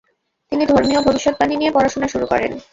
তিনি ধর্মীয় ভবিষ্যদ্বাণী নিয়ে পড়াশোনা শুরু করেন।